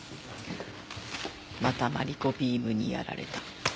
またマリコビームにやられた。